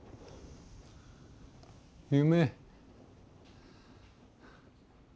夢。